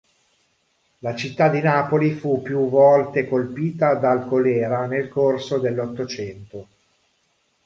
La città di Napoli fu più volte colpita dal colera nel corso dell'Ottocento.